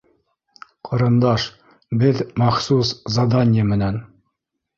Ҡарындаш беҙ... махсус заданья менән.